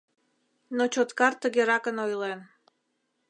Но Чоткар тыгеракын ойлен: